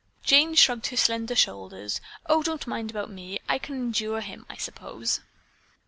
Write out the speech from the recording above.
Jane shrugged her slender shoulders. "Oh, don't mind about me. I can endure him, I suppose."